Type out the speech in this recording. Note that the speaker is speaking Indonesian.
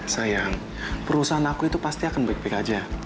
sayang perusahaan aku itu pasti akan baik baik aja